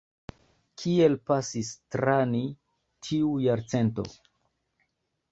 Kiel pasis tra ni tiu jarcento?